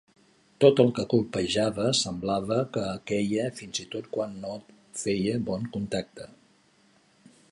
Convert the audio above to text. Tot el que colpejava semblava que queia, fins i tot quan no feia bon contacte.